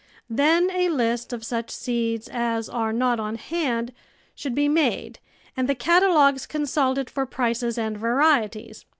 Then a list of such seeds as are not on hand should be made and the catalogues consulted for prices and varieties.